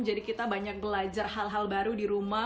jadi kita banyak belajar hal hal baru di rumah